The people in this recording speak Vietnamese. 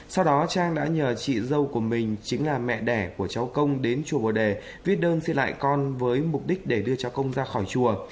sau đó trang đã nhờ chị dâu của mình chính là mẹ đẻ của cháu công đến chùa bồ đề viết đơn xin lại con với mục đích để đưa cháu công ra khỏi chùa